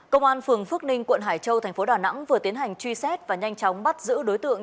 công an phường phước ninh quận hải châu thành phố đà nẵng vừa tiến hành truy xét và nhanh chóng bắt giữ đối tượng